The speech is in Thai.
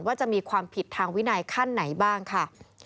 จะมีความผิดทางวินัยขั้นไหนบ้างค่ะ